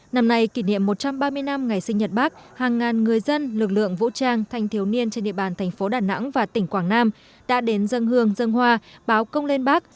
năm nay kỷ niệm một trăm ba mươi năm ngày sinh nhật bác hàng ngàn người dân lực lượng vũ trang thanh thiếu niên trên địa bàn thành phố đà nẵng và tỉnh quảng nam đã đến dân hương dân hoa báo công lên bác